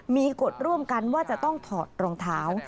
มีกฎร่วมกันว่าจะต้องถอดรองเท้า